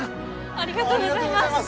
ありがとうございます！